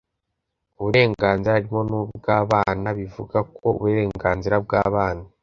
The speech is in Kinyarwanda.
uburenganzira harimo n'ubw'abana, bivuga ko uburenganzira bw'abana